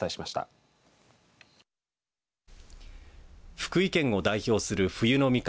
福井県を代表する冬の味覚